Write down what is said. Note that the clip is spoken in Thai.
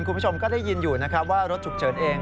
คุณผู้ชมก็ได้ยินอยู่นะครับว่ารถฉุกเฉินเอง